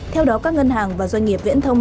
theo đó các ngân hàng và doanh nghiệp viễn thông